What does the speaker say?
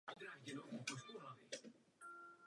Žaloba byla později stažena.